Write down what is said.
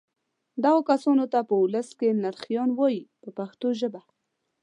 دغو کسانو ته په ولس کې نرخیان وایي په پښتو ژبه.